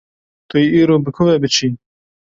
Tu yê îro bi ku ve biçî?